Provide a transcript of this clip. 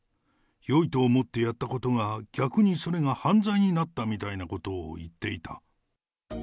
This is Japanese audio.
よいと思ってやったことが、逆にそれが犯罪になったみたいなことを言っていた。